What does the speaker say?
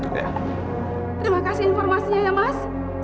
terima kasih informasinya ya mas